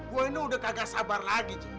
gue ini udah kagak sabar lagi tuh